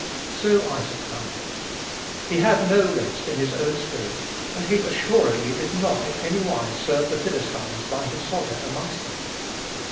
So Isaac found it. He had no rest in his own spirit; and he assuredly did not in any wise serve the Philistines by his sojourn amongst them.